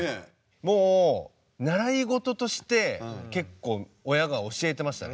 もう習い事として結構親が教えてましたね。